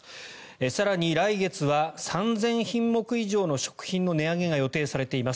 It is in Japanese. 更に、来月は３０００品目以上の食品の値上げが予定されています。